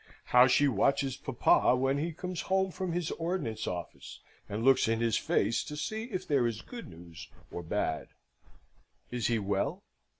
How she watches papa when he comes home from his Ordnance Office, and looks in his face to see if there is good news or bad! Is he well?